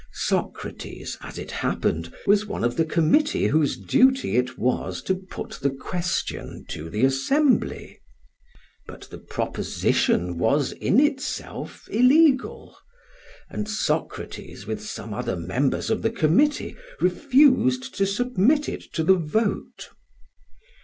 Socrates, as it happened, was one of the committee whose duty it was to put the question to the Assembly. But the proposition was in itself illegal, and Socrates with some other members of the committee, refused to submit it to the vote.